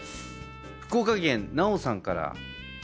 福岡県なおさんから。